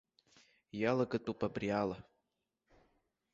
Иалагатәуп абриала.